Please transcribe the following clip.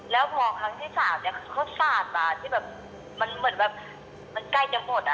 แล้วพอครั้งที่สามเนี่ยเขาสาดมาที่แบบมันเหมือนแบบมันใกล้จะหมดอ่ะ